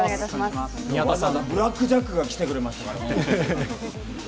ブラックジャックが来てくれましたからね。